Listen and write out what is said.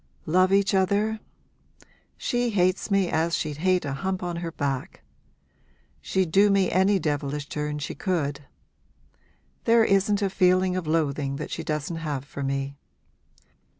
'Love each other? she hates me as she'd hate a hump on her back. She'd do me any devilish turn she could. There isn't a feeling of loathing that she doesn't have for me!